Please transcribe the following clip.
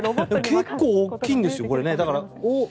結構大きいんですよ。